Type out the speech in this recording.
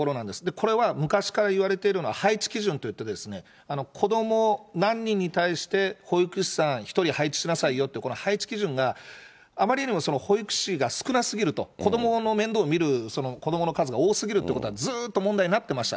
これは昔からいわれているのは、配置基準といって、子ども何人に対して保育士さん１人配置しなさいよって、この配置基準が、あまりにも保育士が少なすぎると、子どもの面倒を見る子どもの数が多すぎるということがずーっと問題になってました。